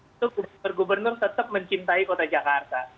itu gubernur gubernur tetap mencintai kota jakarta